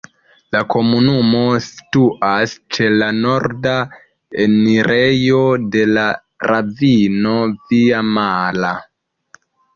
La komunumo situas ĉe la norda enirejo de la ravino Via-Mala.